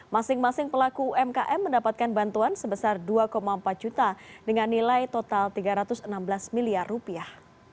masing masing pelaku umkm mendapatkan bantuan sebesar dua empat juta dengan nilai total tiga ratus enam belas miliar rupiah